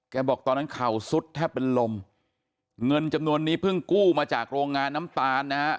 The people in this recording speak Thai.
บอกตอนนั้นเข่าซุดแทบเป็นลมเงินจำนวนนี้เพิ่งกู้มาจากโรงงานน้ำตาลนะฮะ